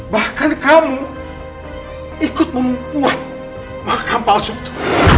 bahkan kamu ikut membuat makam palsu itu